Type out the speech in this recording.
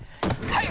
はい！